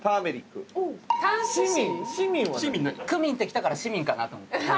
「クミン」ってきたから「シミン」かなと思って。